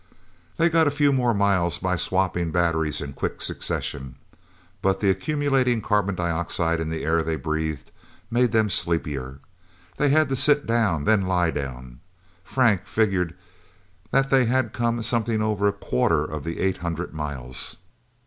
They got a few more miles by swapping batteries in quick succession. But the accumulating carbon dioxide in the air they breathed, made them sleepier. They had to sit down, then lie down. Frank figured that they had come something over a quarter of the eight hundred miles.